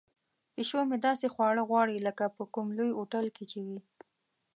پیشو مې داسې خواړه غواړي لکه په کوم لوی هوټل کې چې وي.